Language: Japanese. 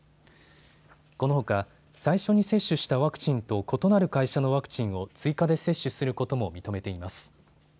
このほか最初に接種したワクチンと異なる会社のワクチンを追加で接種することも認めています。